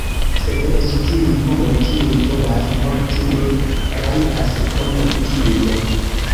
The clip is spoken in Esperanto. Sed eĉ tiuj homoj, kiuj volas morti, ne rajtas, pro medicino.